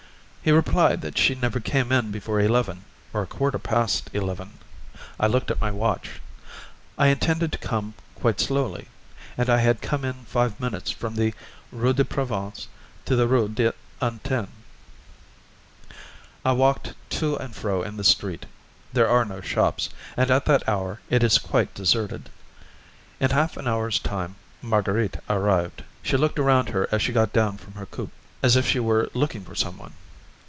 He replied that she never came in before eleven or a quarter past eleven. I looked at my watch. I intended to come quite slowly, and I had come in five minutes from the Rue de Provence to the Rue d'Antin. I walked to and fro in the street; there are no shops, and at that hour it is quite deserted. In half an hour's time Marguerite arrived. She looked around her as she got down from her coupé, as if she were looking for some one.